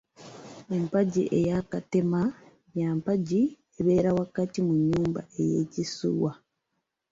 Empagi eya Katema y'empagi ebeera wakati mu nnyumba ey’ekisuuwa.